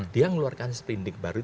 dia mengeluarkan sprinting baru itu